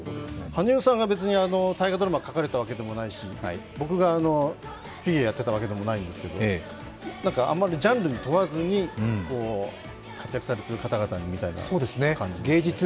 羽生さんが別に大河ドラマ書かれたわけでもないですし僕がフィギュアをやっていたわけでもないんですけど、あまりジャンルを問わずに活躍されている方々にみたいな感じです。